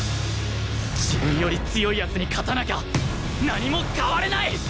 自分より強い奴に勝たなきゃ何も変われない！